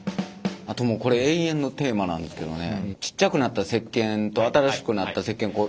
これ永遠のテーマなんですけどね